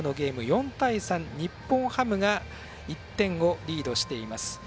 ４対３、日本ハムが１点をリードしています。